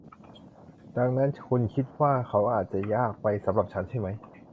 ดังนั้นคุณคิดว่าเขาอาจจะยากสำหรับฉันใช่มั้ย